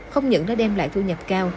không những đã đem lại thu nhập cao